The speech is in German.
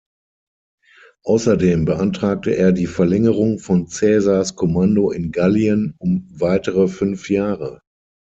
Außerdem beantragte er die Verlängerung von Caesars Kommando in Gallien um weitere fünf Jahre.